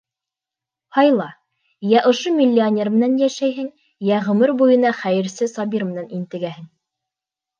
Һайла: йә ошо миллионер менән йәшәйһең, йә ғүмер буйына хәйерсе Сабир менән интегәһең.